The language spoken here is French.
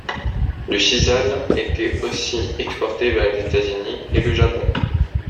Du sisal était aussi exporté vers les États-Unis et le Japon.